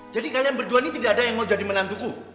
jadi kalian berdua ini tidak ada yang mau jadi menantuku